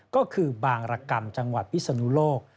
ก็คือบางรกรรมจังหวัดพิศนุโลก